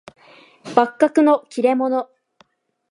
幕閣の利れ者